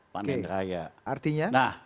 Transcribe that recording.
panen raya artinya